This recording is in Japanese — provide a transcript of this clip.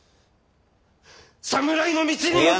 侍の道にもとる！